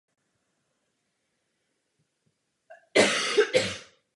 Stal se jedním ze zástupců Japonského císařství na Pařížské mírové konferenci.